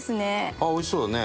あっ美味しそうだね。